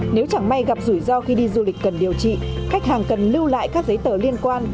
nếu chẳng may gặp rủi ro khi đi du lịch cần điều trị khách hàng cần lưu lại các giấy tờ liên quan